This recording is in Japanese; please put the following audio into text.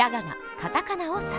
カタカナを指す。